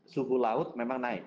suhu laut memang naik